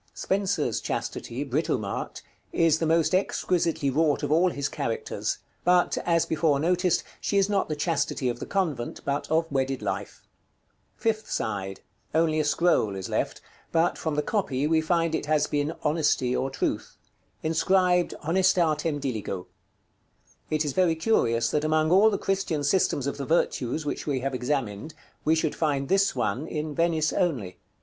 Spenser's Chastity, Britomart, is the most exquisitely wrought of all his characters; but, as before noticed, she is not the Chastity of the convent, but of wedded life. § XCIX. Fifth side. Only a scroll is left; but, from the copy, we find it has been Honesty or Truth. Inscribed "HONESTATEM DILIGO." It is very curious, that among all the Christian systems of the virtues which we have examined, we should find this one in Venice only.